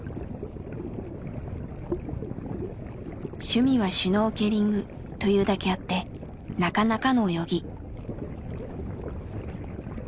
趣味はシュノーケリングというだけあってなかなかの泳ぎ。